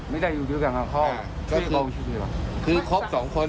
ไม่ได้อยู่ด้วยกันกับพ่อก็คือครบสองคน